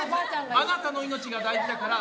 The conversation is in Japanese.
あなたの命が大事だから。